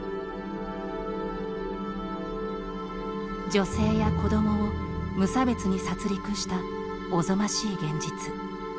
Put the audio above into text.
女性や子どもを無差別に殺りくした、おぞましい現実。